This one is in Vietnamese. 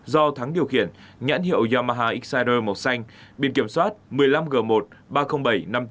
do thắng điều khiển nhãn hiệu yamaha excider màu xanh biên kiểm soát một mươi năm g một ba mươi nghìn bảy trăm năm mươi bốn